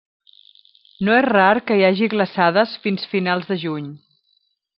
No és rar que hi hagi glaçades fins finals de juny.